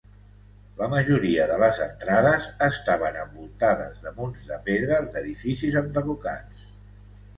La majoria de les entrades estaven envoltades de munts de pedres d'edificis enderrocats.